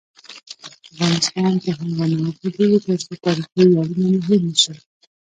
افغانستان تر هغو نه ابادیږي، ترڅو تاریخي ویاړونه مو هیر نشي.